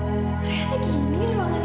kayaknya gua ke toilet dulu deh